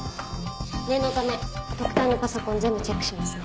念のため特対のパソコン全部チェックしますね。